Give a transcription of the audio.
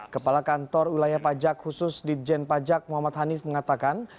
kepala kantor wilayah pajak khusus ditjen pajak muhammad hanif mengatakan